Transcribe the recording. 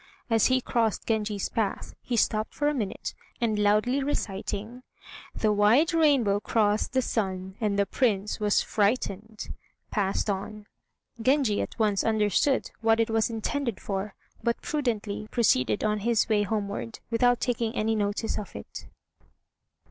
As he crossed Genji's path he stopped for a minute, and loudly reciting, "The white rainbow crossed the sun, And the Prince was frightened," passed on. Genji at once understood what it was intended for, but prudently proceeded on his way homeward without taking any notice of it.